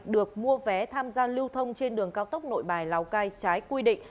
được mua vé tham gia lưu thông trên đường cao tốc nội bài lào cai trái quy định